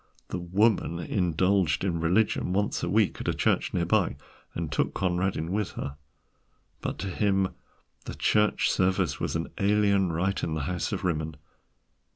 The Woman indulged in religion once a week at a church near by, and took Conradin with her, but to him the church service was an alien rite in the House of Rimmon.